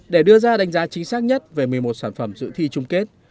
để đưa ra đánh giá chính xác nhất về một mươi một sản phẩm dự thi chung kết